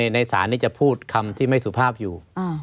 ในศาลนี้จะพูดคำที่ไม่สุภาพอยู่